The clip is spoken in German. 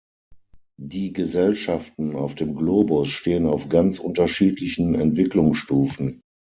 Die Gesellschaften auf dem Globus stehen auf ganz unterschiedlichen Entwicklungsstufen.